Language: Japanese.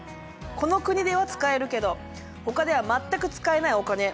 この国では使えるけどほかでは全く使えないお金。